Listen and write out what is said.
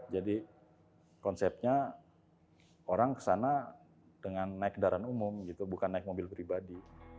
jadi konsepnya orang kesana dengan naik ke darat umum bukan naik mobil pribadi